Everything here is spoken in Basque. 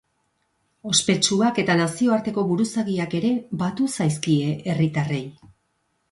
Ospetsuak eta nazioarteko buruzagiak ere batu zaizkie herritarrei.